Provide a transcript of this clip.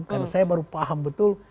karena saya baru paham betul